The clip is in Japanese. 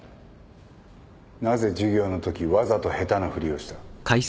なぜ授業のときわざと下手なふりをした？